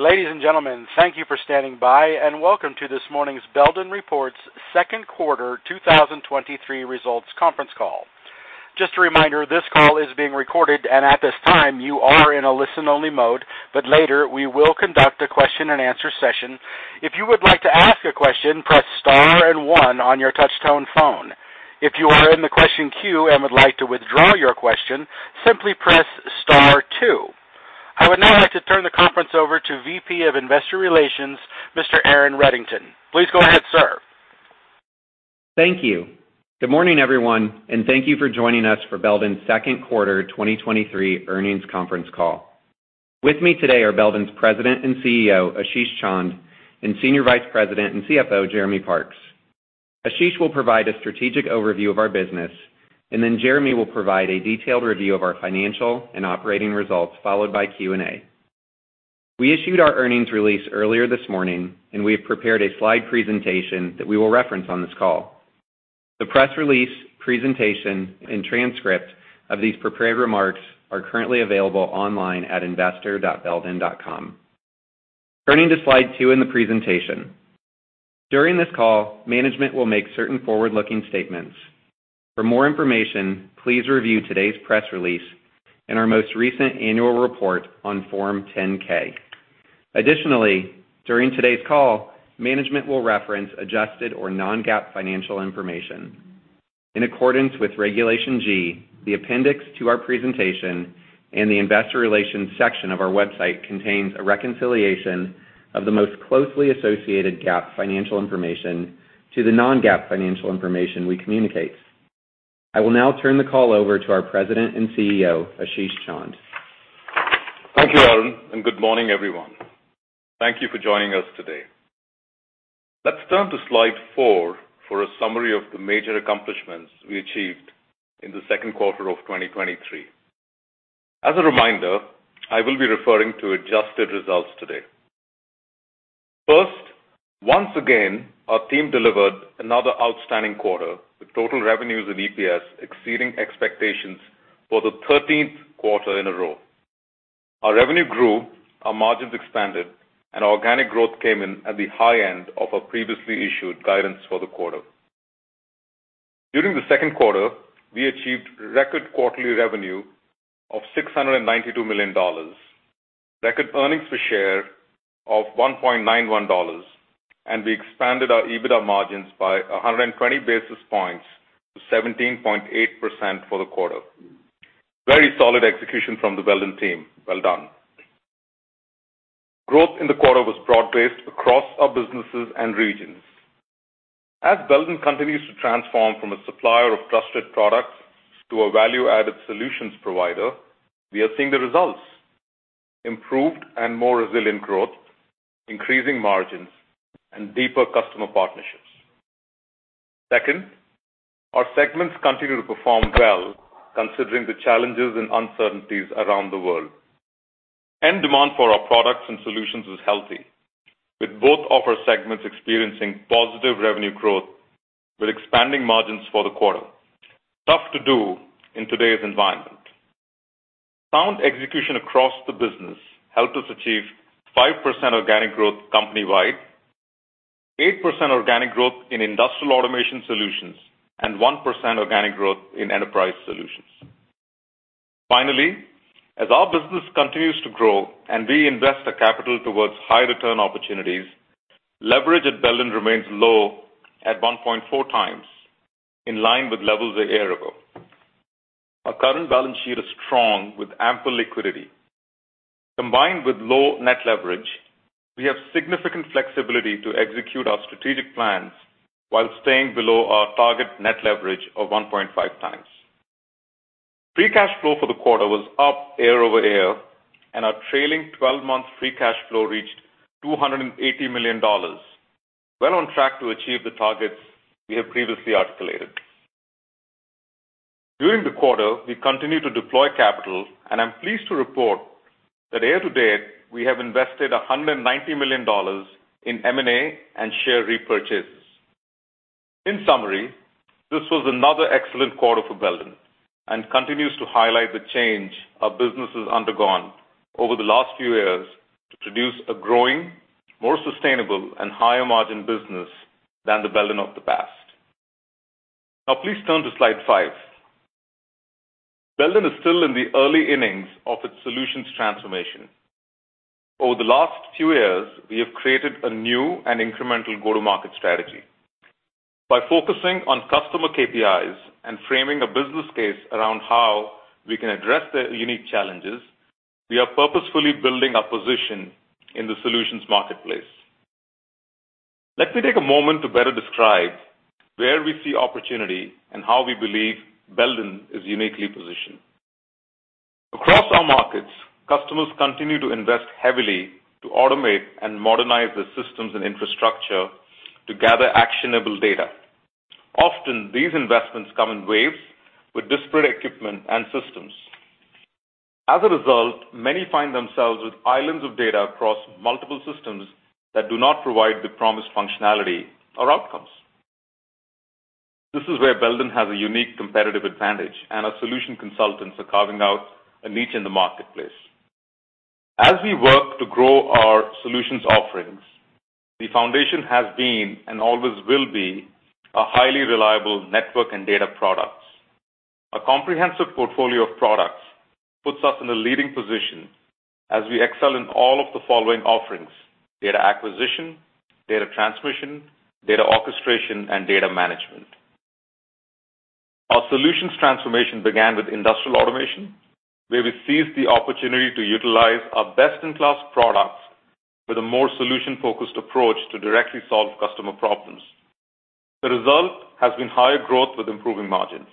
Ladies and gentlemen, thank you for standing by, and welcome to this morning's Belden Reports Second Quarter 2023 Results Conference Call. Just a reminder, this call is being recorded, and at this time, you are in a listen-only mode, but later, we will conduct a question-and-answer session. If you would like to ask a question, press star and one on your touchtone phone. If you are in the question queue and would like to withdraw your question, simply press star two. I would now like to turn the conference over to VP of Investor Relations, Mr. Aaron Reddington. Please go ahead, sir. Thank you. Good morning, everyone, and thank you for joining us for Belden's second quarter 2023 earnings conference call. With me today are Belden's President and CEO, Ashish Chand, and Senior Vice President and CFO, Jeremy Parks. Ashish will provide a strategic overview of our business, and then Jeremy will provide a detailed review of our financial and operating results, followed by Q&A. We issued our earnings release earlier this morning, and we have prepared a slide presentation that we will reference on this call. The press release, presentation, and transcript of these prepared remarks are currently available online at investor.belden.com. Turning to slide two in the presentation. During this call, management will make certain forward-looking statements. For more information, please review today's press release and our most recent annual report on Form 10-K. Additionally, during today's call, management will reference adjusted or non-GAAP financial information. In accordance with Regulation G, the appendix to our presentation and the investor relations section of our website contains a reconciliation of the most closely associated GAAP financial information to the non-GAAP financial information we communicate. I will now turn the call over to our President and CEO, Ashish Chand. Thank you, Aaron, and good morning, everyone. Thank you for joining us today. Let's turn to slide four for a summary of the major accomplishments we achieved in the second quarter of 2023. As a reminder, I will be referring to adjusted results today. First, once again, our team delivered another outstanding quarter, with total revenues and EPS exceeding expectations for the 13th quarter in a row. Our revenue grew, our margins expanded, and our organic growth came in at the high end of our previously issued guidance for the quarter. During the second quarter, we achieved record quarterly revenue of $692 million, record earnings per share of $1.91, and we expanded our EBITDA margins by 120 basis points to 17.8% for the quarter. Very solid execution from the Belden team. Well done. Growth in the quarter was broad-based across our businesses and regions. As Belden continues to transform from a supplier of trusted products to a value-added solutions provider, we are seeing the results: improved and more resilient growth, increasing margins, and deeper customer partnerships. Second, our segments continue to perform well, considering the challenges and uncertainties around the world. End demand for our products and solutions is healthy, with both of our segments experiencing positive revenue growth, with expanding margins for the quarter. Tough to do in today's environment. Sound execution across the business helped us achieve 5% organic growth company-wide, 8% organic growth in Industrial Automation Solutions, and 1% organic growth in Enterprise Solutions. Finally, as our business continues to grow and we invest the capital towards high-return opportunities, leverage at Belden remains low at 1.4x, in line with levels a year ago. Our current balance sheet is strong, with ample liquidity. Combined with low net leverage, we have significant flexibility to execute our strategic plans while staying below our target net leverage of 1.5x. Free cash flow for the quarter was up year-over-year, and our trailing 12-month free cash flow reached $280 million, well on track to achieve the targets we have previously articulated. During the quarter, we continued to deploy capital, and I'm pleased to report that year-to-date, we have invested $190 million in M&A and share repurchases. In summary, this was another excellent quarter for Belden and continues to highlight the change our business has undergone over the last few years to produce a growing, more sustainable, and higher-margin business than the Belden of the past. Now, please turn to slide five. Belden is still in the early innings of its solutions transformation. Over the last few years, we have created a new and incremental go-to-market strategy. By focusing on customer KPIs and framing a business case around how we can address their unique challenges, we are purposefully building our position in the solutions marketplace. Let me take a moment to better describe where we see opportunity and how we believe Belden is uniquely positioned. Across our markets, customers continue to invest heavily to automate and modernize their systems and infrastructure to gather actionable data. Often, these investments come in waves with disparate equipment and systems. As a result, many find themselves with islands of data across multiple systems that do not provide the promised functionality or outcomes. This is where Belden has a unique competitive advantage, and our solution consultants are carving out a niche in the marketplace. As we work to grow our solutions offerings, the foundation has been and always will be, a highly reliable network and data products. A comprehensive portfolio of products puts us in a leading position as we excel in all of the following offerings: data acquisition, data transmission, data orchestration, and data management. Our solutions transformation began with industrial automation, where we seized the opportunity to utilize our best-in-class products with a more solution-focused approach to directly solve customer problems. The result has been higher growth with improving margins.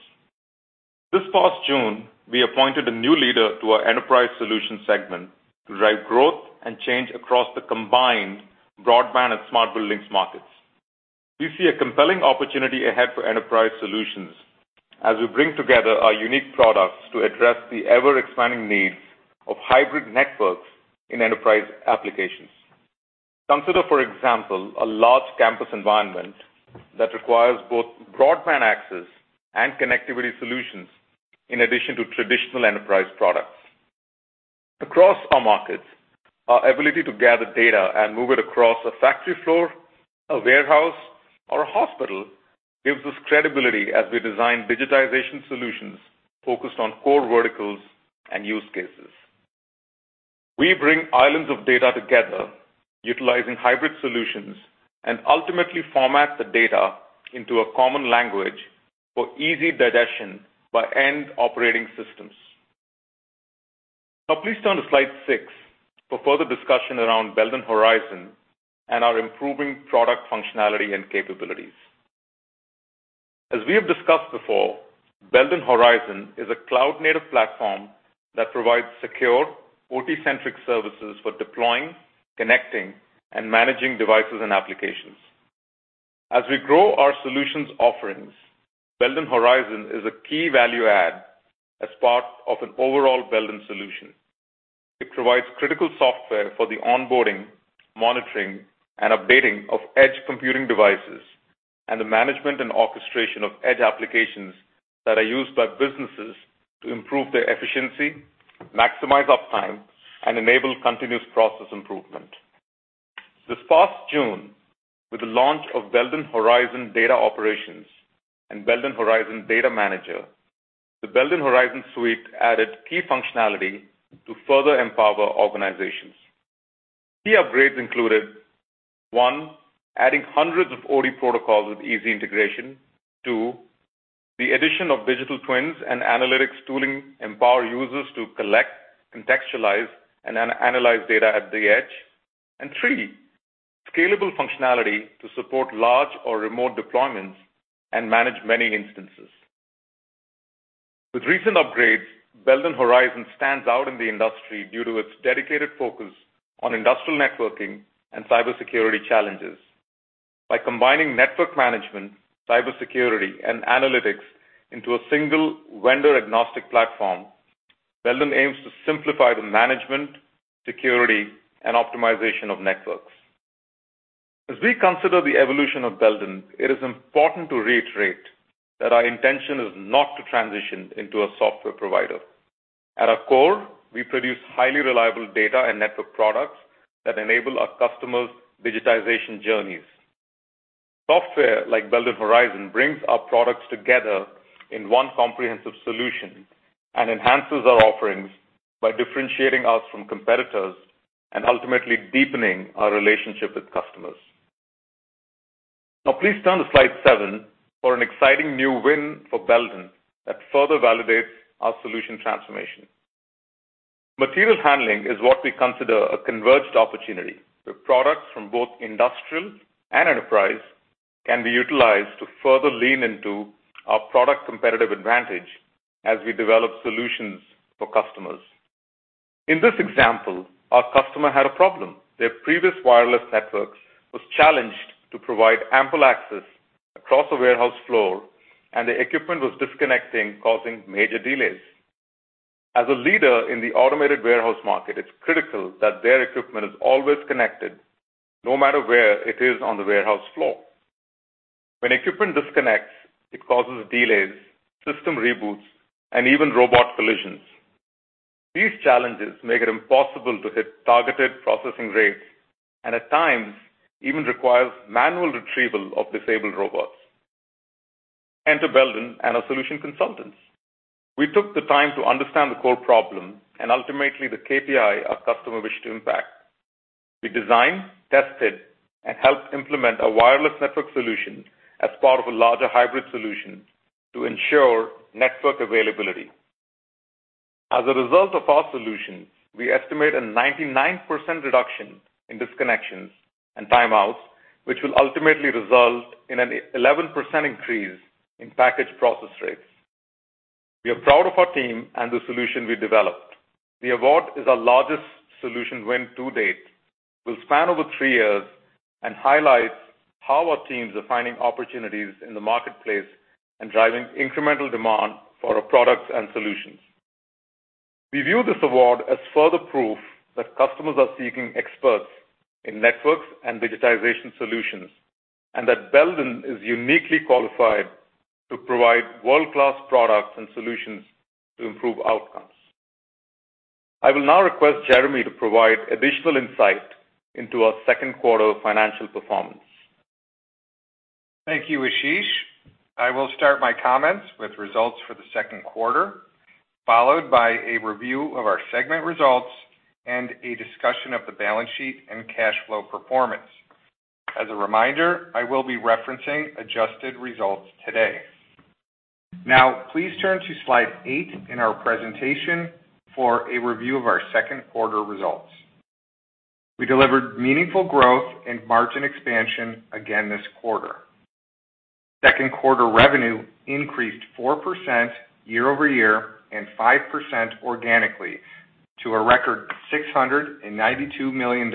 This past June, we appointed a new leader to our Enterprise Solution segment to drive growth and change across the combined Broadband and Smart Buildings markets. We see a compelling opportunity ahead for Enterprise Solutions as we bring together our unique products to address the ever-expanding needs of hybrid networks in enterprise applications. Consider, for example, a large campus environment that requires both Broadband access and connectivity solutions in addition to traditional enterprise products. Across our markets, our ability to gather data and move it across a factory floor, a warehouse, or a hospital, gives us credibility as we design digitization solutions focused on core verticals and use cases. We bring islands of data together utilizing hybrid solutions and ultimately format the data into a common language for easy digestion by end operating systems. Please turn to slide six for further discussion around Belden Horizon and our improving product functionality and capabilities. As we have discussed before, Belden Horizon is a cloud-native platform that provides secure OT-centric services for deploying, connecting, and managing devices and applications. As we grow our solutions offerings, Belden Horizon is a key value add as part of an overall Belden solution. It provides critical software for the onboarding, monitoring, and updating of edge computing devices, and the management and orchestration of edge applications that are used by businesses to improve their efficiency, maximize uptime, and enable continuous process improvement. This past June, with the launch of Belden Horizon Data Operations and Belden Horizon Data Manager, the Belden Horizon Suite added key functionality to further empower organizations. Key upgrades included, one, adding hundreds of OT protocols with easy integration. two, the addition of digital twins and analytics tooling empower users to collect, contextualize, and analyze data at the edge. three, scalable functionality to support large or remote deployments and manage many instances. With recent upgrades, Belden Horizon stands out in the industry due to its dedicated focus on industrial networking and cybersecurity challenges. By combining network management, cybersecurity, and analytics into a single vendor-agnostic platform, Belden aims to simplify the management, security, and optimization of networks. As we consider the evolution of Belden, it is important to reiterate that our intention is not to transition into a software provider. At our core, we produce highly reliable data and network products that enable our customers' digitization journeys. Software like Belden Horizon brings our products together in one comprehensive solution and enhances our offerings by differentiating us from competitors and ultimately deepening our relationship with customers. Now, please turn to slide seven for an exciting new win for Belden that further validates our solution transformation. Material handling is what we consider a converged opportunity, where products from both industrial and enterprise can be utilized to further lean into our product competitive advantage as we develop solutions for customers. In this example, our customer had a problem. Their previous wireless network was challenged to provide ample access across a warehouse floor, and the equipment was disconnecting, causing major delays. As a leader in the automated warehouse market, it's critical that their equipment is always connected, no matter where it is on the warehouse floor. When equipment disconnects, it causes delays, system reboots, and even robot collisions. These challenges make it impossible to hit targeted processing rates and, at times, even requires manual retrieval of disabled robots. Enter Belden and our solution consultants. We took the time to understand the core problem and ultimately the KPI our customer wished to impact. We designed, tested, and helped implement a wireless network solution as part of a larger hybrid solution to ensure network availability. As a result of our solution, we estimate a 99% reduction in disconnections and timeouts, which will ultimately result in an 11% increase in package process rates. We are proud of our team and the solution we developed. The award is our largest solution win to date, will span over three years, and highlights how our teams are finding opportunities in the marketplace and driving incremental demand for our products and solutions. We view this award as further proof that customers are seeking experts in networks and digitization solutions, and that Belden is uniquely qualified to provide world-class products and solutions to improve outcomes. I will now request Jeremy to provide additional insight into our second quarter financial performance. Thank you, Ashish. I will start my comments with results for the second quarter, followed by a review of our segment results and a discussion of the balance sheet and cash flow performance. As a reminder, I will be referencing adjusted results today. Now, please turn to slide eight in our presentation for a review of our second quarter results. We delivered meaningful growth and margin expansion again this quarter. Second quarter revenue increased 4% year-over-year and 5% organically, to a record $692 million,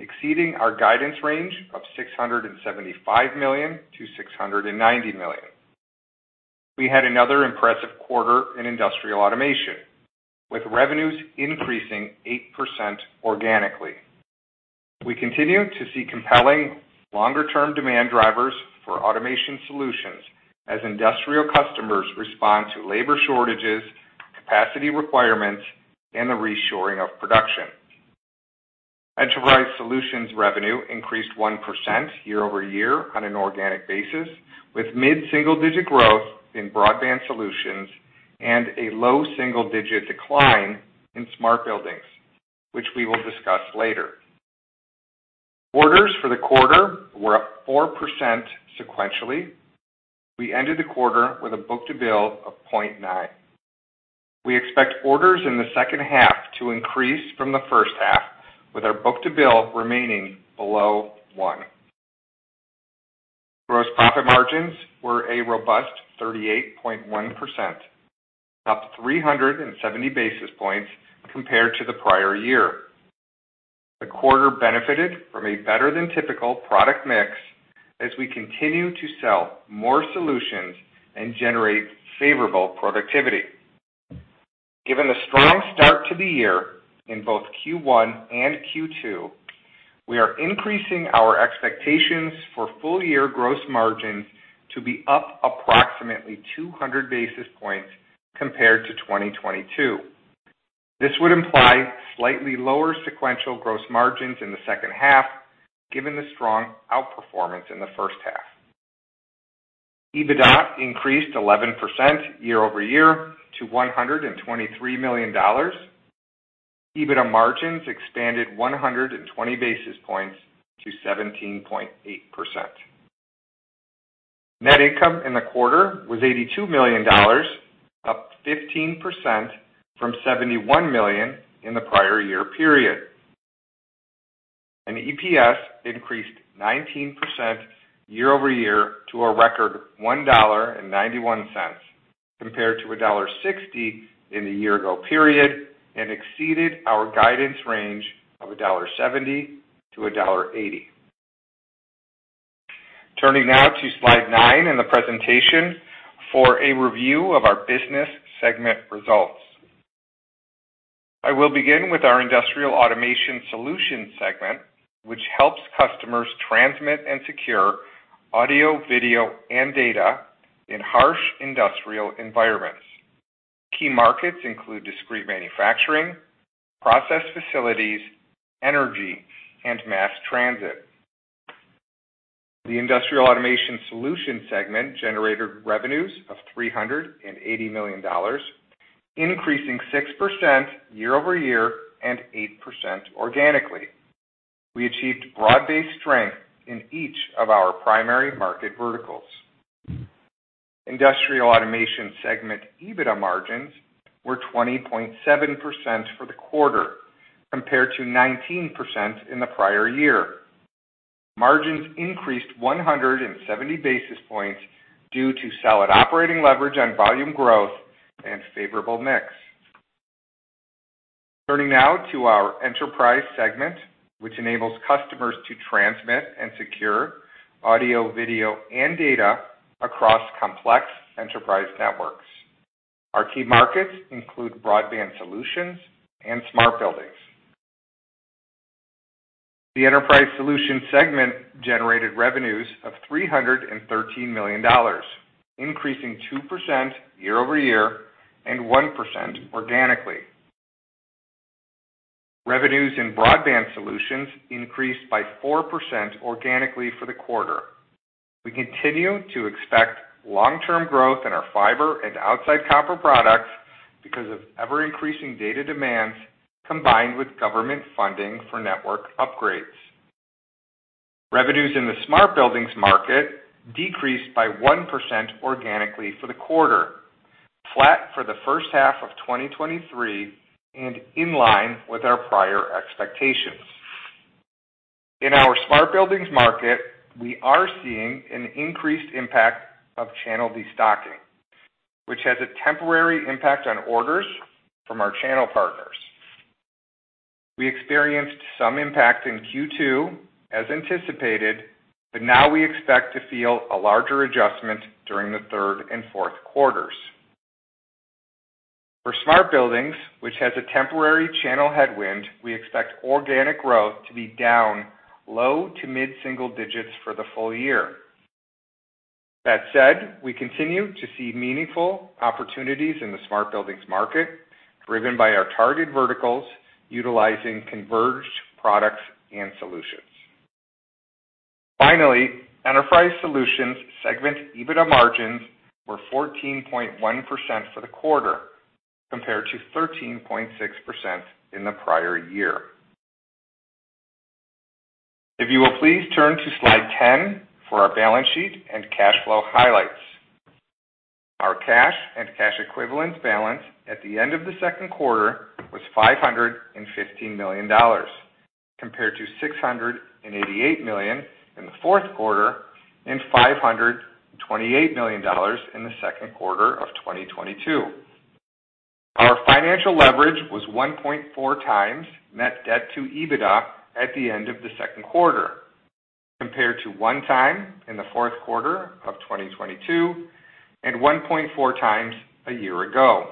exceeding our guidance range of $675 million-$690 million. We had another impressive quarter in Industrial Automation, with revenues increasing 8% organically. We continue to see compelling longer-term demand drivers for automation solutions as industrial customers respond to labor shortages, capacity requirements, and the reshoring of production. Enterprise Solutions revenue increased 1% year-over-year on an organic basis, with mid-single-digit growth in Broadband Solutions and a low single-digit decline in Smart Buildings, which we will discuss later. Orders for the quarter were up 4% sequentially. We ended the quarter with a book-to-bill of 0.9. We expect orders in the second half to increase from the first half, with our book-to-bill remaining below 1. Gross profit margins were a robust 38.1%, up 370 basis points compared to the prior year. The quarter benefited from a better than typical product mix as we continue to sell more solutions and generate favorable productivity. Given the strong start to the year in both Q1 and Q2, we are increasing our expectations for full-year gross margin to be up approximately 200 basis points compared to 2022. This would imply slightly lower sequential gross margins in the second half, given the strong outperformance in the first half. EBITDA increased 11% year-over-year to $123 million. EBITDA margins expanded 120 basis points to 17.8%. Net income in the quarter was $82 million, up 15% from $71 million in the prior year period. EPS increased 19% year-over-year to a record $1.91, compared to $1.60 in the year-ago period, and exceeded our guidance range of $1.70-$1.80. Turning now to slide nine in the presentation for a review of our business segment results. I will begin with our Industrial Automation Solutions segment, which helps customers transmit and secure audio, video, and data in harsh industrial environments. Key markets include discrete manufacturing, process facilities, energy, and mass transit. The Industrial Automation Solutions segment generated revenues of $380 million, increasing 6% year-over-year and 8% organically. We achieved broad-based strength in each of our primary market verticals. Industrial Automation segment EBITDA margins were 20.7% for the quarter, compared to 19% in the prior year. Margins increased 170 basis points due to solid operating leverage on volume growth and favorable mix. Turning now to our Enterprise segment, which enables customers to transmit and secure audio, video, and data across complex enterprise networks. Our key markets include Broadband Solutions and Smart Buildings. The Enterprise Solutions segment generated revenues of $313 million, increasing 2% year-over-year and 1% organically. Revenues in Broadband Solutions increased by 4% organically for the quarter. We continue to expect long-term growth in our fiber and outside copper products because of ever-increasing data demands, combined with government funding for network upgrades. Revenues in the Smart Buildings market decreased by 1% organically for the quarter, flat for the first half of 2023, and in line with our prior expectations. In our Smart Buildings market, we are seeing an increased impact of channel destocking, which has a temporary impact on orders from our channel partners. We experienced some impact in Q2, as anticipated, but now we expect to feel a larger adjustment during the third and fourth quarters. For Smart Buildings, which has a temporary channel headwind, we expect organic growth to be down low to mid-single digits for the full year. That said, we continue to see meaningful opportunities in the Smart Buildings market, driven by our targeted verticals, utilizing converged products and solutions. Finally, Enterprise Solutions segment EBITDA margins were 14.1% for the quarter, compared to 13.6% in the prior year. If you will please turn to slide 10 for our balance sheet and cash flow highlights. Our cash and cash equivalents balance at the end of the second quarter was $515 million, compared to $688 million in the fourth quarter, and $528 million in the second quarter of 2022. Our financial leverage was 1.4x net debt to EBITDA at the end of the second quarter, compared to 1x in the fourth quarter of 2022, and 1.4x a year ago.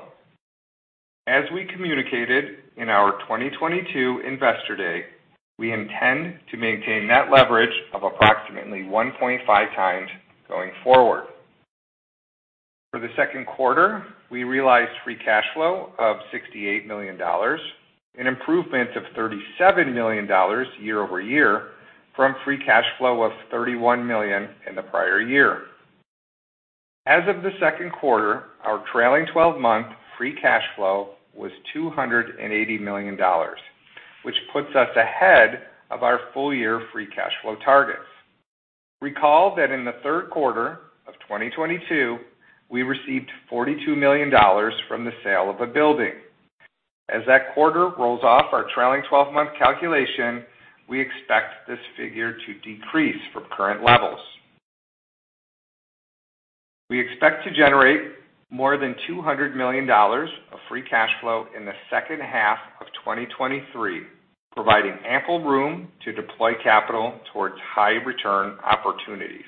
We communicated in our 2022 Investor Day, we intend to maintain net leverage of approximately 1.5x going forward. For the second quarter, we realized free cash flow of $68 million, an improvement of $37 million year-over-year, from free cash flow of $31 million in the prior year. As of the second quarter, our trailing 12-month free cash flow was $280 million, which puts us ahead of our full-year free cash flow targets. Recall that in the third quarter of 2022, we received $42 million from the sale of a building. As that quarter rolls off our trailing 12-month calculation, we expect this figure to decrease from current levels. We expect to generate more than $200 million of free cash flow in the second half of 2023, providing ample room to deploy capital towards high-return opportunities.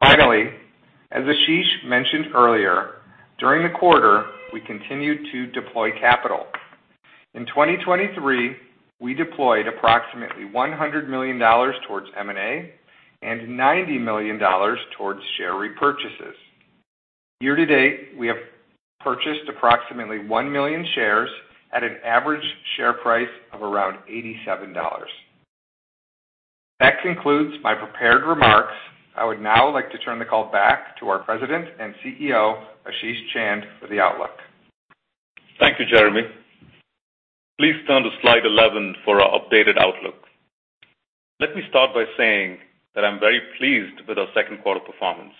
Finally, as Ashish mentioned earlier, during the quarter, we continued to deploy capital. In 2023, we deployed approximately $1 million towards M&A and $90 million towards share repurchases. Year-to-date, we have purchased approximately 1 million shares at an average share price of around $87. That concludes my prepared remarks. I would now like to turn the call back to our President and CEO, Ashish Chand, for the outlook. Thank you, Jeremy. Please turn to slide 11 for our updated outlook. Let me start by saying that I'm very pleased with our second quarter performance.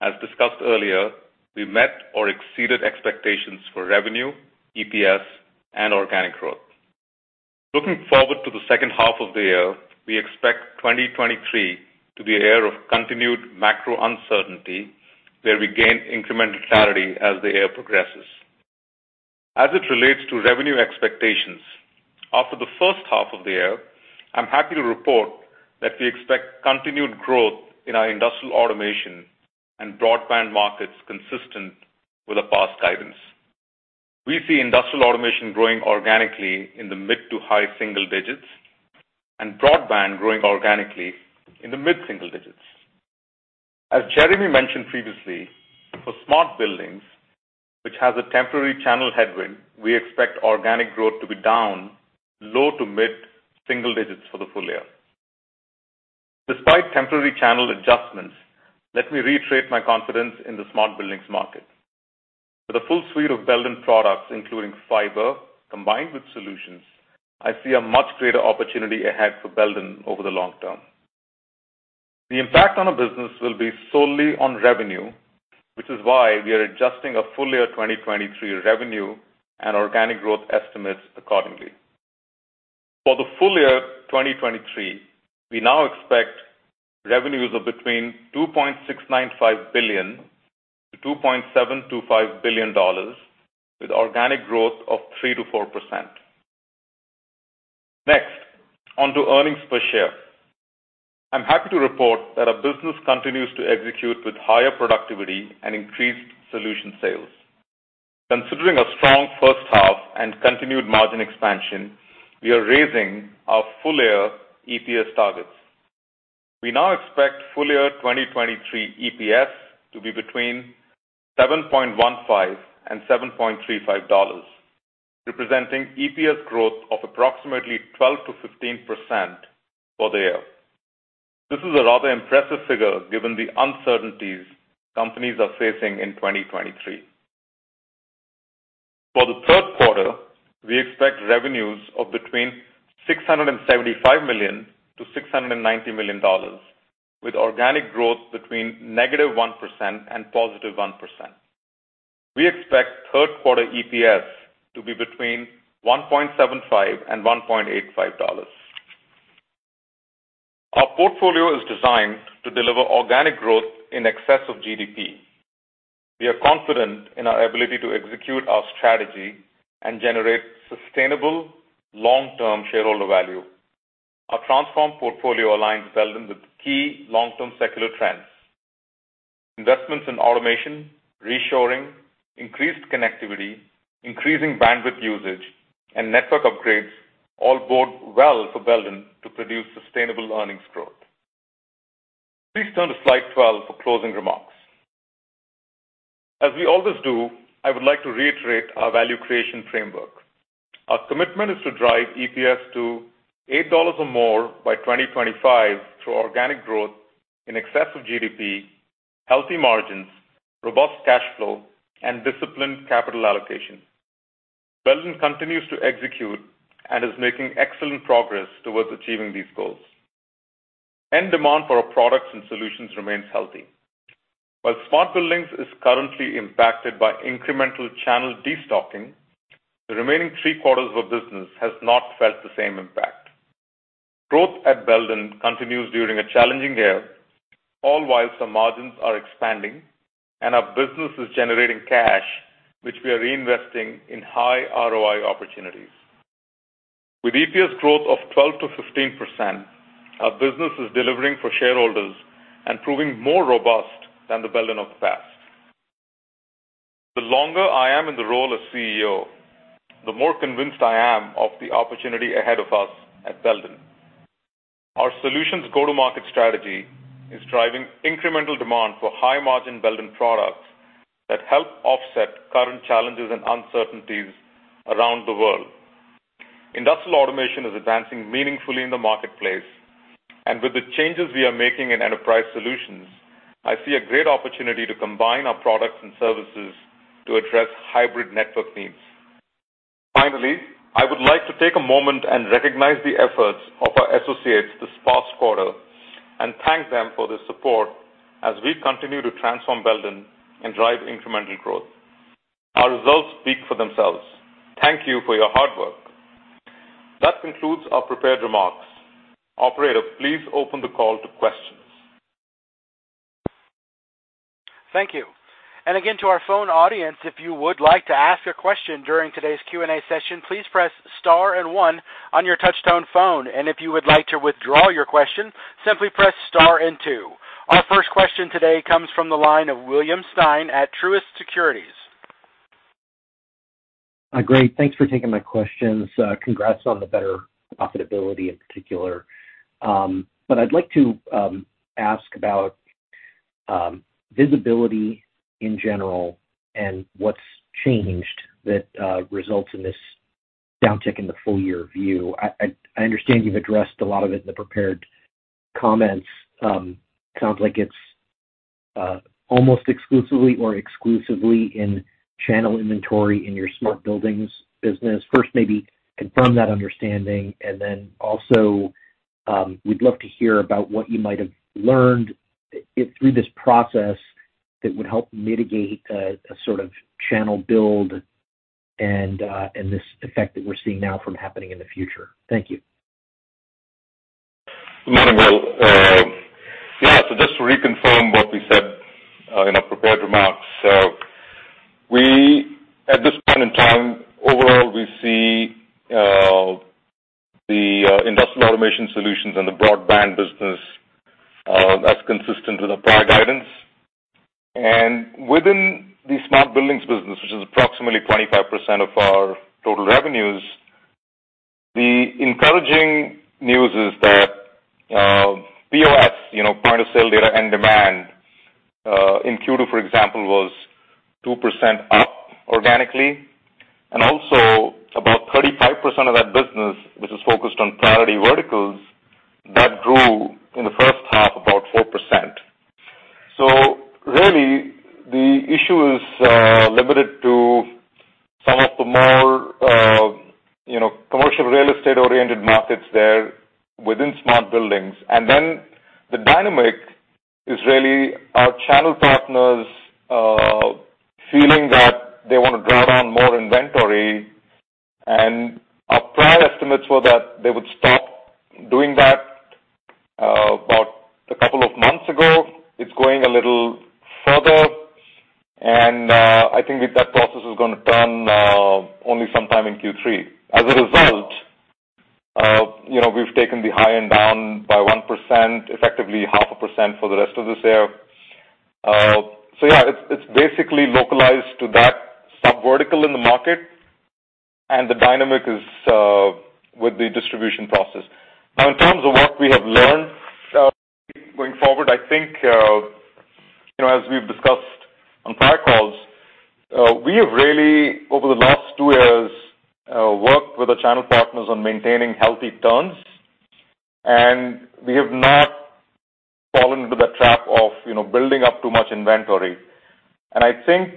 As discussed earlier, we met or exceeded expectations for revenue, EPS, and organic growth. Looking forward to the second half of the year, we expect 2023 to be a year of continued macro uncertainty, where we gain incremental clarity as the year progresses. As it relates to revenue expectations, after the first half of the year, I'm happy to report that we expect continued growth in our Industrial Automation and Broadband markets, consistent with our past guidance. We see Industrial Automation growing organically in the mid to high single digits, and Broadband growing organically in the mid single digits. As Jeremy mentioned previously, for Smart Buildings, which has a temporary channel headwind, we expect organic growth to be down low to mid-single digits for the full year. Despite temporary channel adjustments, let me reiterate my confidence in the Smart Buildings market. With a full suite of Belden products, including fiber, combined with solutions, I see a much greater opportunity ahead for Belden over the long term. The impact on our business will be solely on revenue, which is why we are adjusting our full year 2023 revenue and organic growth estimates accordingly. For the full year 2023, we now expect revenues of between $2.695 billion-$2.725 billion, with organic growth of 3%-4%. Next, on to earnings per share. I'm happy to report that our business continues to execute with higher productivity and increased solution sales. Considering a strong first half and continued margin expansion, we are raising our full-year EPS targets. We now expect full-year 2023 EPS to be between $7.15 and $7.35, representing EPS growth of approximately 12%-15% for the year. This is a rather impressive figure given the uncertainties companies are facing in 2023. For the third quarter, we expect revenues of between $675 million-$690 million, with organic growth between -1% and +1%. We expect third quarter EPS to be between $1.75 and $1.85. Our portfolio is designed to deliver organic growth in excess of GDP. We are confident in our ability to execute our strategy and generate sustainable long-term shareholder value. Our transformed portfolio aligns Belden with key long-term secular trends. Investments in automation, reshoring, increased connectivity, increasing bandwidth usage, and network upgrades all bode well for Belden to produce sustainable earnings growth. Please turn to slide 12 for closing remarks. As we always do, I would like to reiterate our value creation framework. Our commitment is to drive EPS to $8 or more by 2025 through organic growth in excess of GDP, healthy margins, robust cash flow, and disciplined capital allocation. Belden continues to execute and is making excellent progress towards achieving these goals. End demand for our products and solutions remains healthy. While Smart Buildings is currently impacted by incremental channel destocking, the remaining 3/4 of business has not felt the same impact. Growth at Belden continues during a challenging year, all while some margins are expanding and our business is generating cash, which we are reinvesting in high ROI opportunities. With EPS growth of 12%-15%, our business is delivering for shareholders and proving more robust than the Belden of the past. The longer I am in the role as CEO, the more convinced I am of the opportunity ahead of us at Belden. Our solutions go-to-market strategy is driving incremental demand for high-margin Belden products that help offset current challenges and uncertainties around the world. Industrial automation is advancing meaningfully in the marketplace, and with the changes we are making in enterprise solutions, I see a great opportunity to combine our products and services to address hybrid network needs. Finally, I would like to take a moment and recognize the efforts of our associates this past quarter and thank them for their support as we continue to transform Belden and drive incremental growth. Our results speak for themselves. Thank you for your hard work. That concludes our prepared remarks. Operator, please open the call to questions. Thank you. Again, to our phone audience, if you would like to ask a question during today's Q&A session, please press star and one on your touchtone phone. If you would like to withdraw your question, simply press star and two. Our first question today comes from the line of William Stein at Truist Securities. Hi, Great. Thanks for taking my questions. Congrats on the better profitability in particular. I'd like to ask about visibility in general and what's changed that results in this downtick in the full year view. I, I, I understand you've addressed a lot of it in the prepared comments. Sounds like it's almost exclusively or exclusively in channel inventory in your Smart Buildings business. First, maybe confirm that understanding, and then also, we'd love to hear about what you might have learned through this process that would help mitigate a sort of channel build and this effect that we're seeing now from happening in the future. Thank you. Well, yeah. Just to reconfirm what we said in our prepared remarks. We, at this point in time, overall, we see the Industrial Automation Solutions and the Broadband business as consistent with the prior guidance. Within the Smart Buildings business, which is approximately 25% of our total revenues, the encouraging news is that POS, you know, point of sale data and demand in Q2, for example, was 2% up organically, and also about 35% of that business, which is focused on priority verticals, that grew in the first half, about 4%. Really, the issue is limited to some of the more, you know, commercial real estate-oriented markets there within Smart Buildings. The dynamic is really our channel partners feeling that they want to drive down more inventory, and our prior estimates were that they would stop doing that about two months ago. It's going a little further, and I think that process is going to turn only sometime in Q3. As a result, you know, we've taken the high-end down by 1%, effectively 0.5% for the rest of this year. Yeah, it's, it's basically localized to that subvertical in the market, and the dynamic is with the distribution process. In terms of what we have learned, going forward, I think, you know, as we've discussed on prior calls, we have really, over the last two years, worked with our channel partners on maintaining healthy turns, and we have not fallen into the trap of, you know, building up too much inventory. I think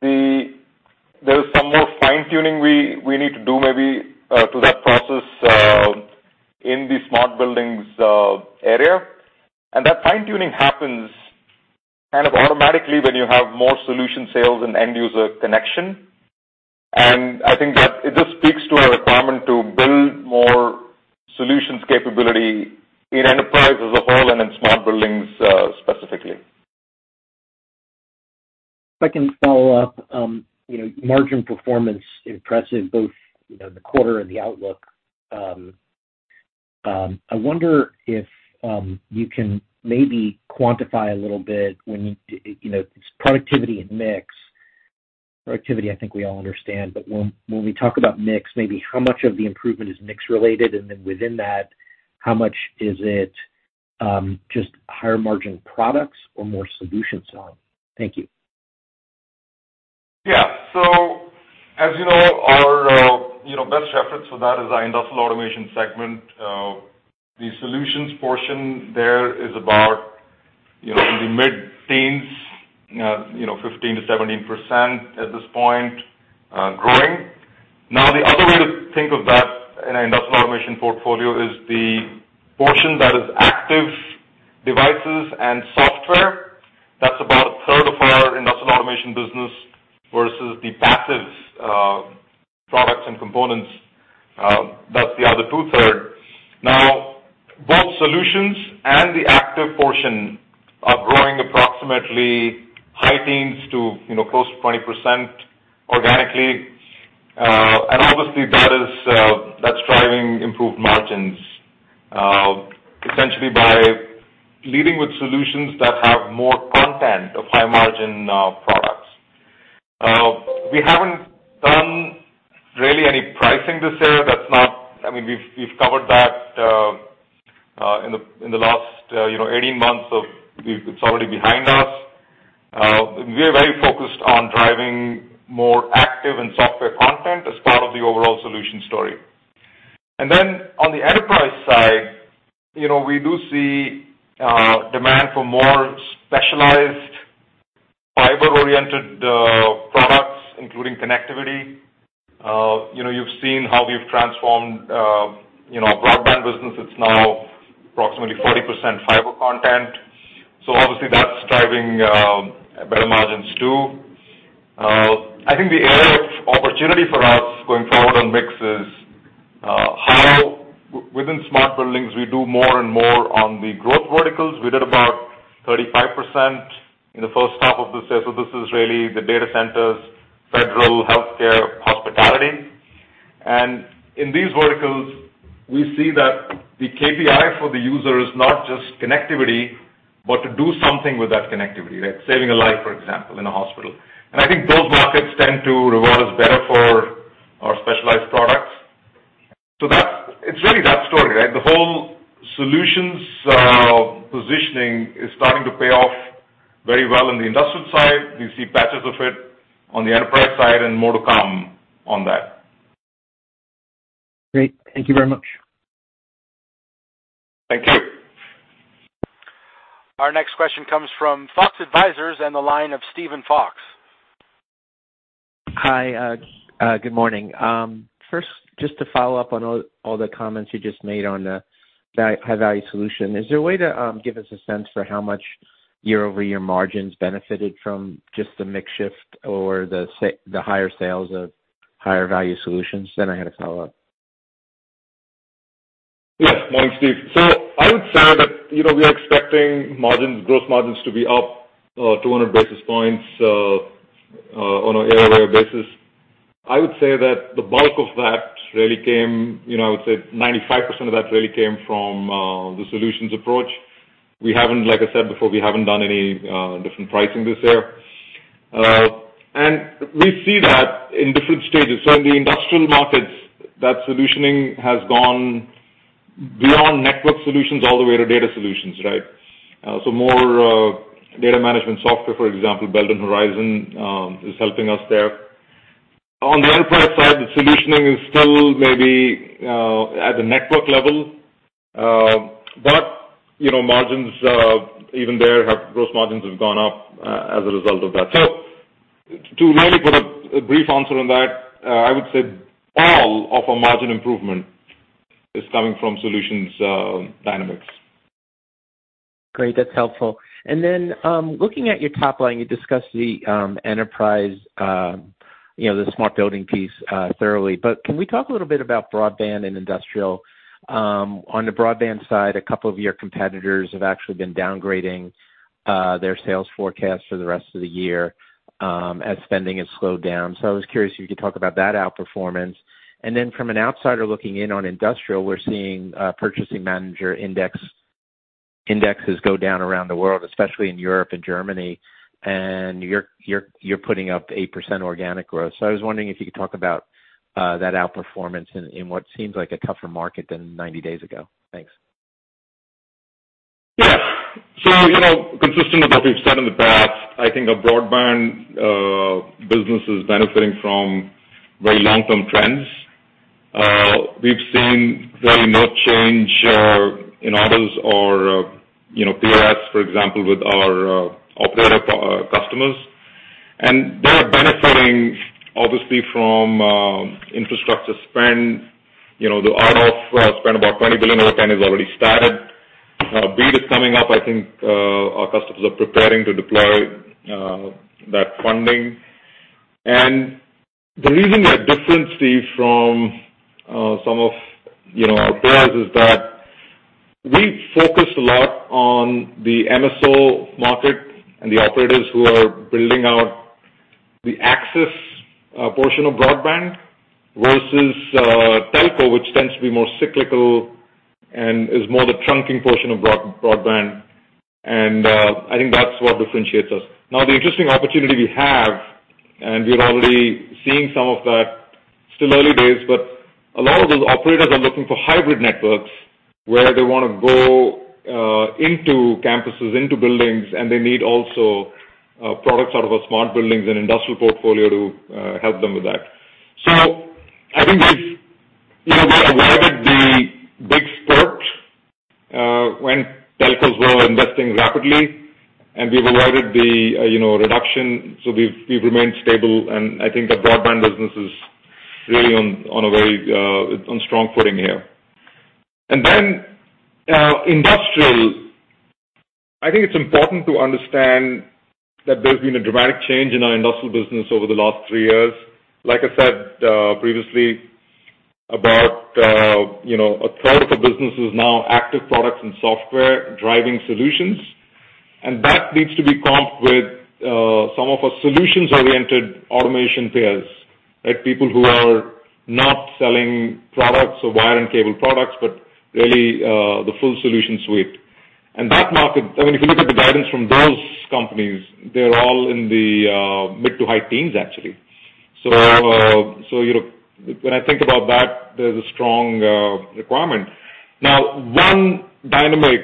there is some more fine-tuning we need to do maybe, to that process, in the Smart Buildings, area. That fine-tuning happens kind of automatically when you have more solution sales and end-user connection. I think that it just speaks to our requirement to build more solutions capability in Enterprise as a whole, and in Smart Buildings, specifically. If I can follow up, you know, margin performance impressive, both, you know, the quarter and the outlook. I wonder if you can maybe quantify a little bit when, you, you know, it's productivity and mix. Productivity, I think we all understand, but when, when we talk about mix, maybe how much of the improvement is mix related? Then within that, how much is it, just higher margin products or more solution selling? Thank you. Yeah. As you know, our, you know, best efforts for that is our Industrial Automation segment. The solutions portion there is about, you know, in the mid-teens, 15%-17% at this point, growing. The other way to think of that in an Industrial Automation portfolio is the portion that is active devices and software. That's about 1/3 of our Industrial Automation business, versus the passive products and components, that's the other 2/3. Both solutions and the active portion are growing approximately high teens to close to 20% organically. Obviously, that is that's driving improved margins, essentially by leading with solutions that have more content of high-margin products. We haven't done really any pricing this year. That's not-- I mean, we've, we've covered that in the last, you know, 18 months, of it's already behind us. We are very focused on driving more active and software content as part of the overall solution story. On the enterprise side, you know, we do see demand for more specialized, fiber-oriented, products, including connectivity. You know, you've seen how we've transformed, you know, our Broadband business. It's now approximately 40% fiber content, so obviously that's driving better margins, too. I think the area of opportunity for us going forward on mix is how w-within Smart Buildings, we do more and more on the growth verticals. We did about 35% in the first half of this year, so this is really the data centers, federal, healthcare, hospitality. In these verticals, we see that the KPI for the user is not just connectivity, but to do something with that connectivity, right? Saving a life, for example, in a hospital. I think those markets tend to reward us better for our specialized products. That's-- It's really that story, right? The whole solutions positioning is starting to pay off very well in the industrial side. We see patches of it on the Enterprise side and more to come on that. Great. Thank you very much. Thank you. Our next question comes from Fox Advisors and the line of Steven Fox. Hi, good morning. First, just to follow up on all, all the comments you just made on the high-value solution, is there a way to give us a sense for how much year-over-year margins benefited from just the mix shift or the higher sales of higher-value solutions? I had a follow-up. Yes. Morning, Steve. I would say that, you know, we are expecting margins, growth margins to be up 200 basis points on a year-over-year basis. I would say that the bulk of that really came, you know, I would say 95% of that really came from the solutions approach. We haven't, like I said before, we haven't done any different pricing this year. We see that in different stages. In the industrial markets, that solutioning has gone beyond network solutions all the way to data solutions, right? More data management software, for example, Belden Horizon, is helping us there. On the Enterprise side, the solutioning is still maybe at the network level, you know, margins, even there, have, gross margins have gone up as a result of that. To really put a, a brief answer on that, I would say all of our margin improvement is coming from solutions, dynamics. Great. That's helpful. Looking at your top line, you discussed the Enterprise, you know, the smart building piece, thoroughly. Can we talk a little bit about Broadband and Industrial? On the Broadband side, a couple of your competitors have actually been downgrading their sales forecast for the rest of the year, as spending has slowed down. I was curious if you could talk about that outperformance. From an outsider looking in on Industrial, we're seeing purchasing manager index, indexes go down around the world, especially in Europe and Germany, and you're, you're, you're putting up 8% organic growth. I was wondering if you could talk about that outperformance in, in what seems like a tougher market than 90 days ago. Thanks. Yes. You know, consistent with what we've said in the past, I think our Broadband business is benefiting from very long-term trends. We've seen very no change in orders or, you know, PRS, for example, with our operator customers. They are benefiting, obviously, from infrastructure spend. You know, the RDOF spend, about $20 billion over 10, is already started. Coming up, I think, our customers are preparing to deploy that funding. The reason we are different, Steve, from some of, you know, our peers, is that we focus a lot on the MSO market and the operators who are building out the access portion of Broadband, versus Telco, which tends to be more cyclical and is more the trunking portion of Broadband. I think that's what differentiates us. The interesting opportunity we have, and we're already seeing some of that, still early days, but a lot of those operators are looking for hybrid networks, where they wanna go into campuses, into buildings, and they need also products out of our Smart Buildings and industrial portfolio to help them with that. I think we've, you know, we avoided the big spurt when telcos were investing rapidly, and we've avoided the, you know, reduction, so we've, we've remained stable, and I think the Broadband business is really on, on a very on strong footing here. Industrial, I think it's important to understand that there's been a dramatic change in our industrial business over the last three years. Like I said, previously, about, you know, a third of the business is now active products and software driving solutions. That needs to be comped with some of our solutions-oriented automation players, right? People who are not selling products or wire and cable products, but really, the full solution suite. That market, I mean, if you look at the guidance from those companies, they're all in the mid to high teens, actually. So, you know, when I think about that, there's a strong requirement. Now, one dynamic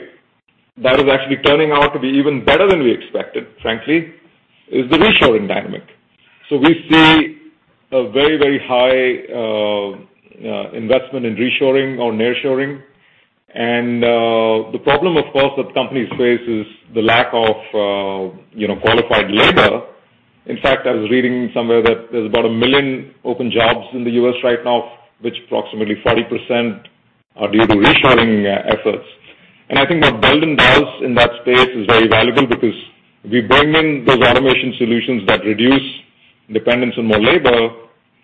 that is actually turning out to be even better than we expected, frankly, is the reshoring dynamic. We see a very, very high investment in reshoring or nearshoring. The problem, of course, that companies face is the lack of, you know, qualified labor. In fact, I was reading somewhere that there's about 1 million open jobs in the U.S. right now, which approximately 40% are due to reshoring efforts. I think what Belden does in that space is very valuable because we bring in those Automation Solutions that reduce dependence on more labor,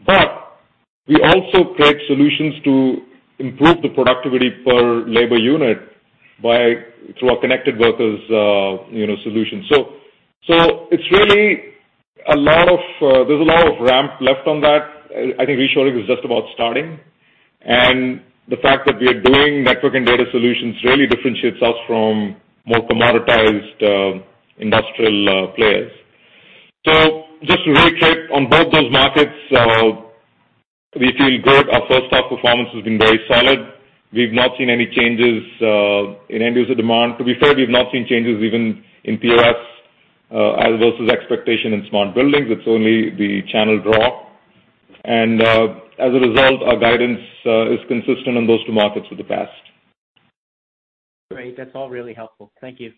but we also create solutions to improve the productivity per labor unit by through our connected workers, you know, solutions. It's really a lot of... There's a lot of ramp left on that. I, I think reshoring is just about starting, and the fact that we are doing network and data solutions really differentiates us from more commoditized industrial players. Just to reiterate, on both those markets, we feel good. Our first half performance has been very solid. We've not seen any changes in end user demand. To be fair, we've not seen changes even in POS, as versus expectation in Smart Buildings. It's only the channel draw. As a result, our guidance is consistent in those two markets with the past. Great. That's all really helpful. Thank you.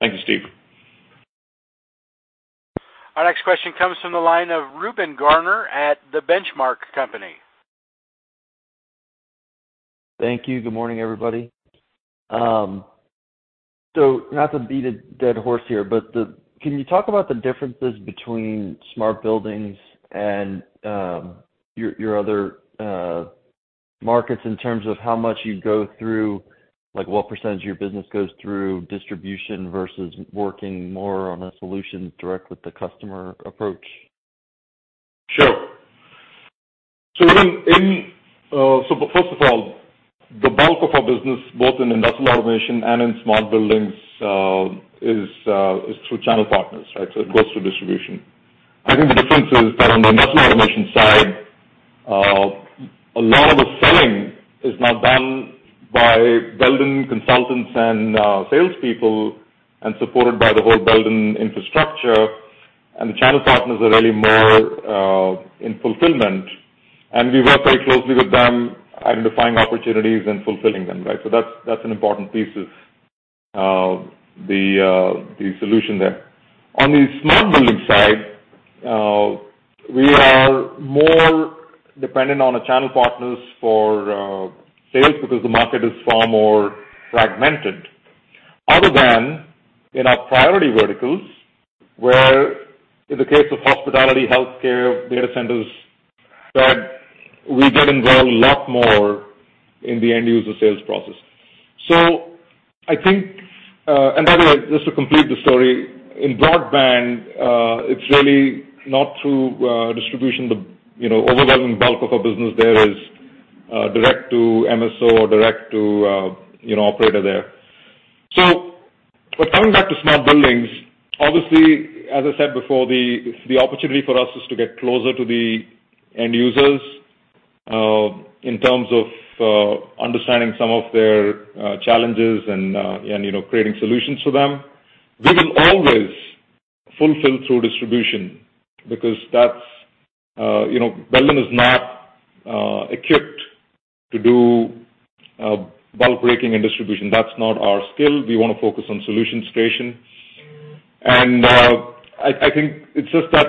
Thank you, Steve. Our next question comes from the line of Reuben Garner at The Benchmark Company. Thank you. Good morning, everybody. Not to beat a dead horse here, but can you talk about the differences between Smart Buildings and your, your other markets in terms of how much you go through, like, what percentage of your business goes through distribution versus working more on a solution direct with the customer approach? Sure. First of all, the bulk of our business, both in Industrial Automation and in Smart Buildings, is, is through channel partners, right? It goes through distribution. I think the difference is that on the Industrial Automation side, a lot of the selling is now done by Belden consultants and salespeople, and supported by the whole Belden infrastructure, and the channel partners are really more in fulfillment, and we work very closely with them identifying opportunities and fulfilling them, right? That's, that's an important piece of the, the solution there. On the smart building side, we are more dependent on the channel partners for sales because the market is far more fragmented, other than in our priority verticals, where in the case of hospitality, healthcare, data centers, that we get involved a lot more in the end user sales process. I think... By the way, just to complete the story, in Broadband, it's really not through distribution. The you know, overwhelming bulk of our business there is direct to MSO or direct to, you know, operator there. Coming back to Smart Buildings, obviously, as I said before, the opportunity for us is to get closer to the end users, in terms of, understanding some of their, challenges and, and, you know, creating solutions for them. We will always fulfill through distribution because that's, you know, Belden is not equipped to do bulk breaking and distribution. That's not our skill. We wanna focus on solution station. I, I think it's just that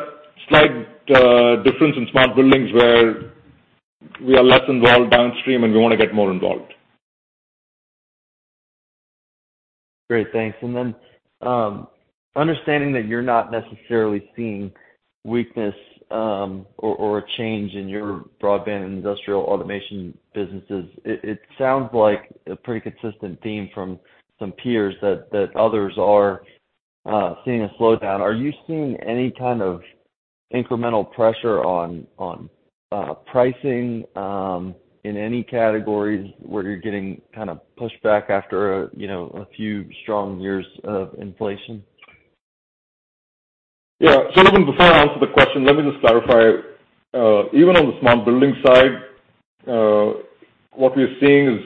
slight difference in Smart Buildings where we are less involved downstream, and we want to get more involved. Great, thanks. Understanding that you're not necessarily seeing weakness, or a change in your Broadband Industrial Automation businesses, it sounds like a pretty consistent theme from some peers that others are seeing a slowdown. Are you seeing any kind of incremental pressure on pricing in any categories where you're getting kind of pushed back after a, you know, a few strong years of inflation? Yeah. Even before I answer the question, let me just clarify. Even on the smart building side, what we're seeing is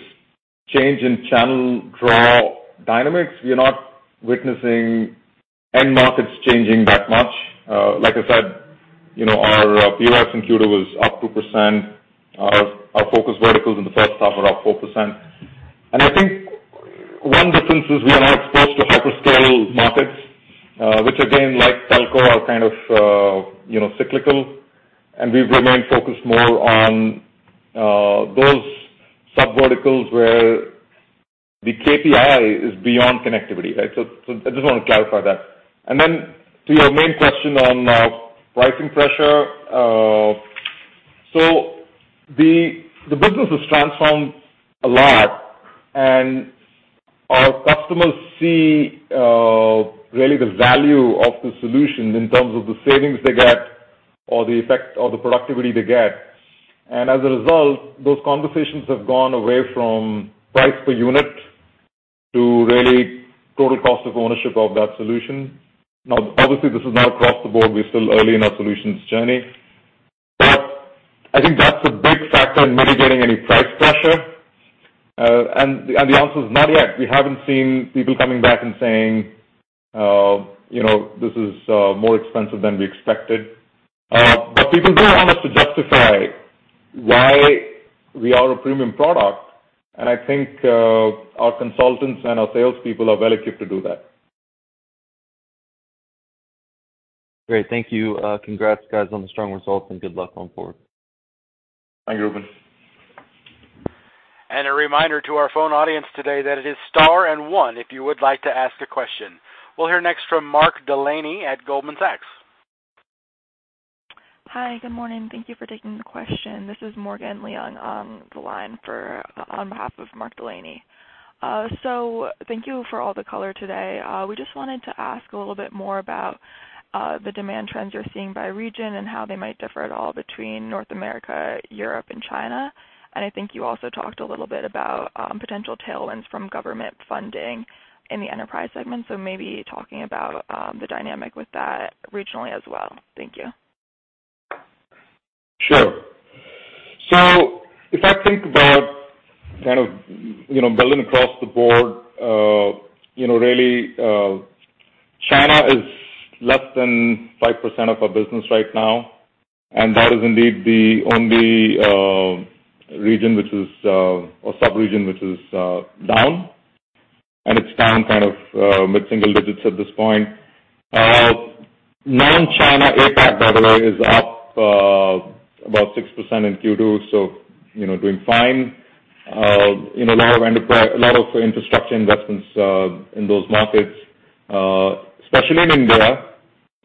change in channel draw dynamics. We are not witnessing end markets changing that much. Like I said, you know, our POS in Q2 was up 2%. Our, our focus verticals in the first half are up 4%. I think one difference is we are not exposed to hyperscale markets, which again, like telco, are kind of, you know, cyclical, and we've remained focused more on those sub verticals where the KPI is beyond connectivity, right? I just want to clarify that. To your main question on pricing pressure. The business has transformed a lot, and our customers see really the value of the solution in terms of the savings they get or the effect or the productivity they get. As a result, those conversations have gone away from price per unit to really total cost of ownership of that solution. Obviously, this is not across the board. We're still early in our solutions journey, but I think that's a big factor in mitigating any price pressure. The answer is not yet. We haven't seen people coming back and saying, you know, "This is more expensive than we expected." People do want us to justify why we are a premium product, and I think our consultants and our salespeople are well equipped to do that. Great. Thank you. Congrats, guys, on the strong results, and good luck going forward. Thank you, Ruben. A reminder to our phone audience today that it is star and 1, if you would like to ask a question. We'll hear next from Mark Delaney at Goldman Sachs. Hi, good morning. Thank you for taking the question. This is Morgan Leung on the line for, on behalf of Mark Delaney. Thank you for all the color today. We just wanted to ask a little bit more about the demand trends you're seeing by region and how they might differ at all between North America, Europe, and China. I think you also talked a little bit about potential tailwinds from government funding in the enterprise segment. Maybe talking about the dynamic with that regionally as well. Thank you. Sure. If I think about kind of, you know, Belden across the board, you know, really, China is less than 5% of our business right now, and that is indeed the only region which is or subregion, which is down, and it's down kind of mid-single digits at this point. Non-China APAC, by the way, is up about 6% in Q2, so, you know, doing fine. You know, a lot of enterprise, a lot of infrastructure investments in those markets, especially in India,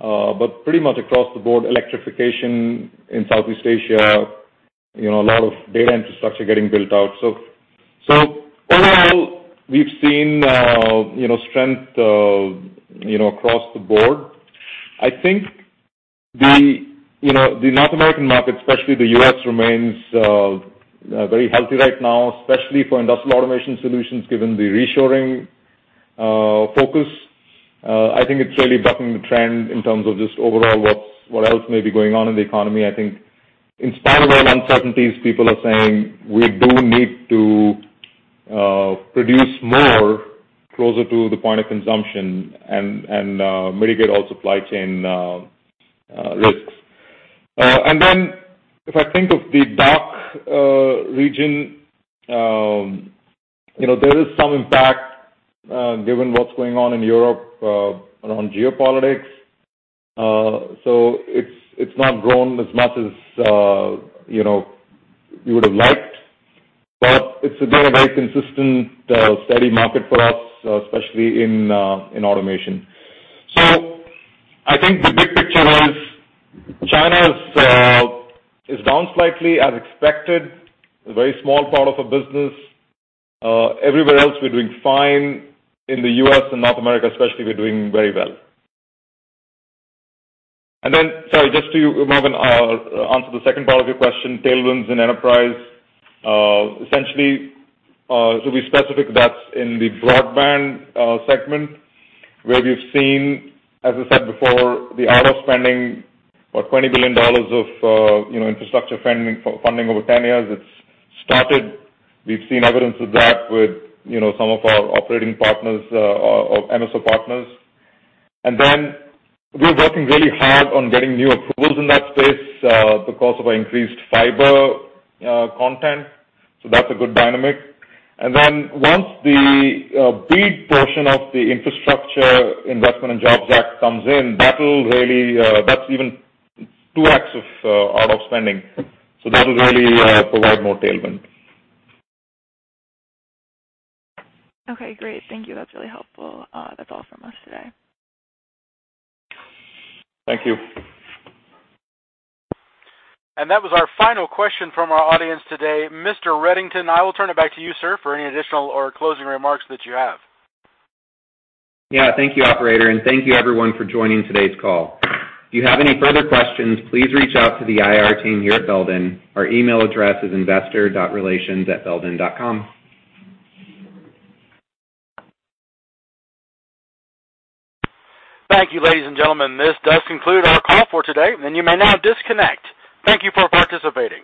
but pretty much across the board, electrification in Southeast Asia, you know, a lot of data infrastructure getting built out. Overall, we've seen, you know, strength, you know, across the board. I think the, you know, the North American market, especially the U.S., remains very healthy right now, especially for Industrial Automation Solutions, given the reshoring focus. I think it's really bucking the trend in terms of just overall, what else may be going on in the economy. I think in spite of the uncertainties, people are saying, "We do need to produce more closer to the point of consumption and mitigate all supply chain risks." If I think of the DACH region, you know, there is some impact given what's going on in Europe around geopolitics. It's, it's not grown as much as, you know, we would have liked, but it's been a very consistent, steady market for us, especially in automation. I think the big picture is China's is down slightly, as expected, a very small part of the business. Everywhere else, we're doing fine. In the U.S. and North America especially, we're doing very well. Sorry, just to, Morgan, answer the second part of your question, tailwinds and enterprise. Essentially, to be specific, that's in the Broadband segment, where we've seen, as I said before, the RDOF spending or $20 billion of, you know, infrastructure funding, funding over 10 years. It's started. We've seen evidence of that with, you know, some of our operating partners or MSO partners. We're working really hard on getting new approvals in that space because of our increased fiber content. That's a good dynamic. Then once the big portion of the Infrastructure Investment and Jobs Act comes in, that will really, that's even 2x of spending, so that will really, provide more tailwind. Okay, great. Thank you. That's really helpful. That's all from us today. Thank you. That was our final question from our audience today. Mr. Reddington, I will turn it back to you, sir, for any additional or closing remarks that you have. Yeah, thank you, Operator, and thank you everyone for joining today's call. If you have any further questions, please reach out to the IR team here at Belden. Our email address is investor.relations@belden.com. Thank you, ladies and gentlemen. This does conclude our call for today, and you may now disconnect. Thank you for participating.